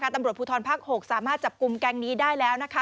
ตำรวจภูทรภาค๖สามารถจับกลุ่มแก๊งนี้ได้แล้ว